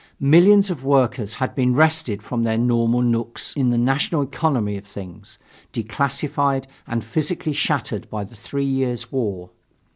Millions of workers had been wrested from their normal nooks in the national economy of things, declassified, and physically shattered by the three years' war.